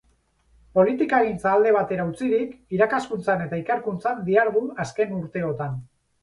Politikagintza alde batera utzirik, irakaskuntzan eta ikerkuntzan dihardu azken urteotan.